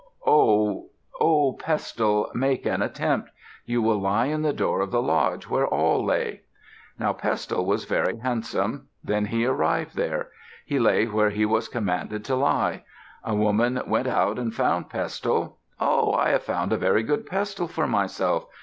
Ho! O Pestle, make an attempt. You will lie in the door of the lodge where Awl lay." Now Pestle was very handsome. Then he arrived there. He lay where he was commanded to lie. A woman went out and found Pestle. "Oh! I have found a very good pestle for myself.